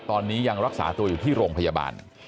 ตอนนี้ยังรักษาตัวอยู่ที่โรงพยาบาล